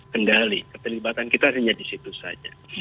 kendali keterlibatan kita hanya di situ saja